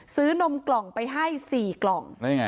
นมกล่องไปให้๔กล่อง